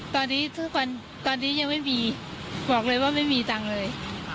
ตอนนี้ทุกคนตอนนี้ยังไม่มีบอกเลยว่าไม่มีตังค์เลย